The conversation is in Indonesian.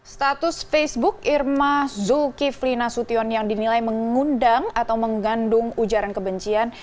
status facebook irma zulkiflina sution yang dinilai mengundang atau menggandung ujaran kebencian